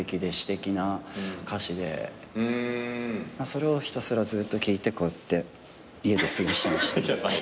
それをひたすらずっと聞いてこうやって家で過ごしてました。